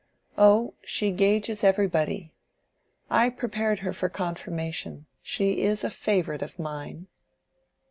"Oh, she gauges everybody. I prepared her for confirmation—she is a favorite of mine."